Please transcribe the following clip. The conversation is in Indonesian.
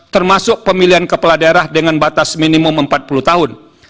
termasuk pemilihan kepala daerah dengan batas minimum empat puluh tahun